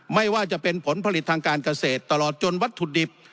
ไม่ว่าจะเป็นผลผลิตทางการเกษตรตลอดจนวัตถุดิบ